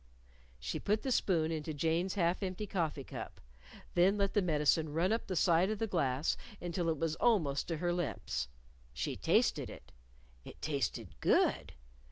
She put the spoon into Jane's half empty coffee cup; then let the medicine run up the side of the glass until it was almost to her lips. She tasted it. It tasted good!